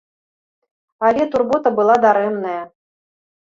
Але турбота была дарэмная.